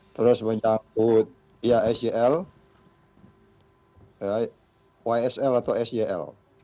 terus menyangkut sel ysl atau sel